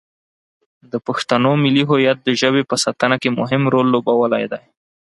د پښتنو ملي هویت د ژبې په ساتنه کې مهم رول لوبولی دی.